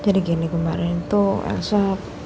jadi gini kemarin tuh elsa